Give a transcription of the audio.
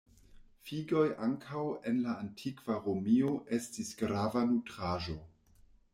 Figoj ankaŭ en la antikva Romio estis grava nutraĵo.